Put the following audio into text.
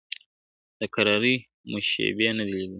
د کراري مو شېبې نه دي لیدلي ,